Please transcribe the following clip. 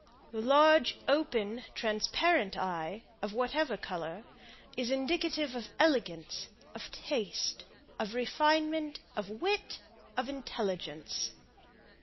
The large, open, transparent eye, of whatever color, is indicative of elegance, of taste, of refinement, of wit, of intelligence.